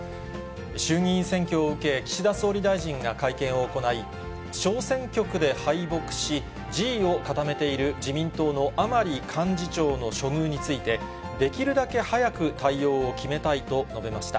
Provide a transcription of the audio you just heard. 衆議院選挙を受け、岸田総理大臣が会見を行い、小選挙区で敗北し、辞意を固めている自民党の甘利幹事長の処遇について、できるだけ早く対応を決めたいと述べました。